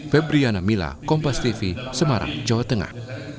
febriana mila kompastv semarang jawa tengah